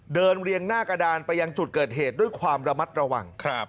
เรียงหน้ากระดานไปยังจุดเกิดเหตุด้วยความระมัดระวัง